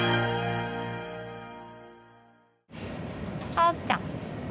あおちゃん。